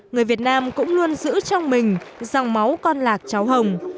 người việt nam cũng luôn giữ trong mình dòng máu con lạc cháu hồng